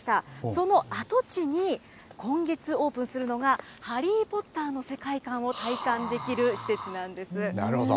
その跡地に今月オープンするのが、ハリー・ポッターの世界観を体感できる施設なんです。